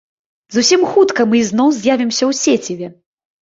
Зусім хутка мы ізноў з'явімся ў сеціве!